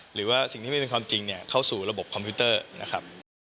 หรือว่าสิ่งที่ไม่เป็นความจริงเนี่ยเข้าสู่ระบบคอมพิวเตอร์นะครับ